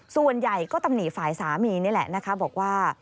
ส่วนใหญ่ก็ตำหนิฝ่ายสามีนี่แหละนะคะบอกว่า